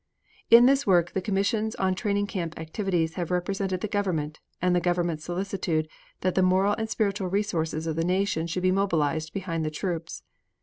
In this work the Commissions on Training Camp Activities have represented the government and the government's solicitude that the moral and spiritual resources of the nation should be mobilized behind the troops.